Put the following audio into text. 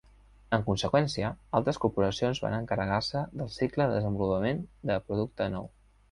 En conseqüència, altres corporacions van encarregar-se del cicle de desenvolupament de producte nou.